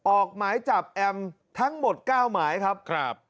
ออกหมายจับแอมทั้งหมด๙หมายครับ